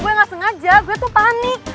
gue gak sengaja gue tuh panik